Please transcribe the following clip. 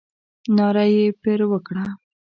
ناره یې پر وکړه.